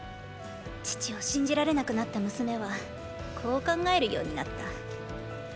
父を信じられなくなった娘はこう考えるようになった。